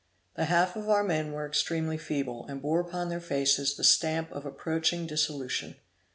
The half of our men were extremely feeble, and bore upon their faces the stamp of approaching dissolution.